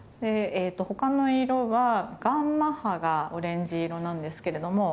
他の色はガンマ波がオレンジ色なんですけれども。